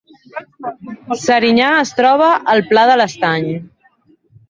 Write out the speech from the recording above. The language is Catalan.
Serinyà es troba al Pla de l’Estany